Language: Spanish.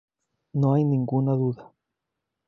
No hay ninguna duda.